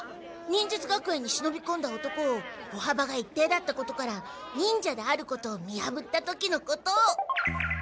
忍術学園にしのびこんだ男を歩幅が一定だったことから忍者であることを見やぶった時のことを。